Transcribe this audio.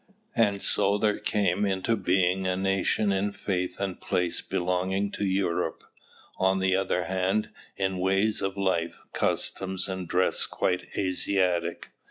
And so there came into being a nation in faith and place belonging to Europe; on the other hand, in ways of life, customs, and dress quite Asiatic.